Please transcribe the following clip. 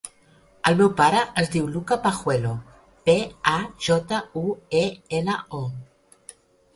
El meu pare es diu Luka Pajuelo: pe, a, jota, u, e, ela, o.